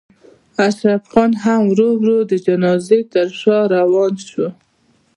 اشرف خان هم ورو ورو د جنازې تر شا روان شو.